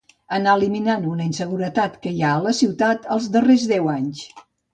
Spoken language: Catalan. Anar eliminant una inseguretat que hi ha a la ciutat els darrers deu anys